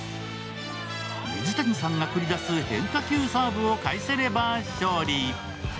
水谷さんが繰り出す変化球サーブを返せれば勝利。